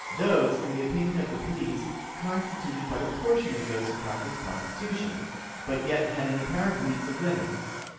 Those, in the opinion of the police, constituted but a portion of those who practiced prostitution, but yet had an apparent means of living.